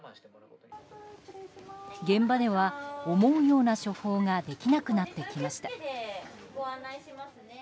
現場では思うような処方ができなくなってきました。